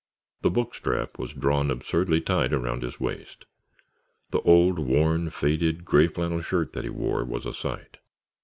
The book strap was drawn absurdly tight around his waist. The old, worn, faded gray flannel shirt that he wore was a sight.